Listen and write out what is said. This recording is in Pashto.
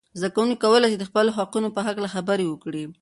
زده کوونکي کولای سي د خپلو حقونو په هکله خبرې وکړي.